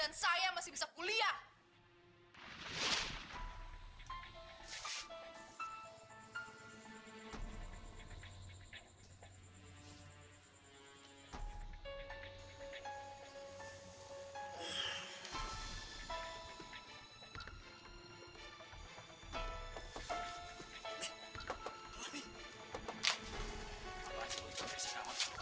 dan saya masih bisa kuliah